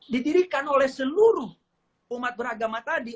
didirikan oleh seluruh umat beragama tadi